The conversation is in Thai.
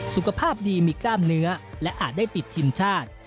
สุขภาพดีมีกล้ามเนื้อและอาจได้ติดทีมชาติ